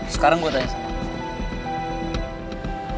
sekarang gue tanya sama lo